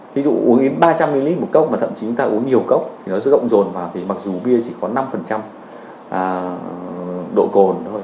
ví dụ uống đến ba trăm linh ml một cốc mà thậm chí chúng ta uống nhiều cốc thì nó sẽ rộng rồn và thì mặc dù bia chỉ có năm độ cồn